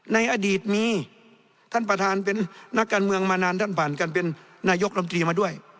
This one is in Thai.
ในอดีตมีท่านประธานเป็นนักการเมืองมานานท่านผ่านการเป็นนายกรมตรีมาด้วย